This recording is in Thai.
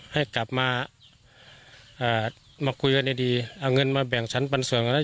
ให้กลับมาเอ่อมาคุยกันดีดีเอาเงินมาแบ่งชั้นปันส่วนกันแล้ว